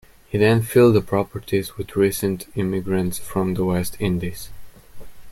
He then filled the properties with recent immigrants from the West Indies.